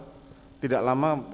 saudara lakukan setelah tidak lama